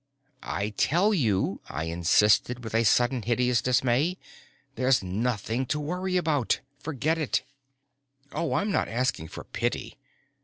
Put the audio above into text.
"I tell you," I insisted, with a sudden hideous dismay, "there's nothing to worry about. Forget it." "Oh, I'm not asking for pity.